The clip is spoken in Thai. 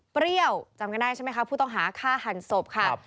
เปรี้ยวจำกันได้ใช่ไหมคะผู้ต้องหาฆ่าหันศพค่ะ